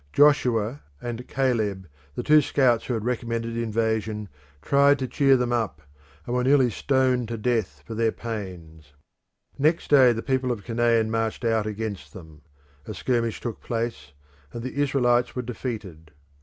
Joshua and Caleb, the two scouts who had recommended invasion, tried to cheer them up, and were nearly stoned to death for their pains. Next day the people of Canaan marched out against them: a skirmish took place and the Israelites were defeated.